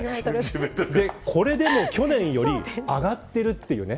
これでも去年より上がってるというね。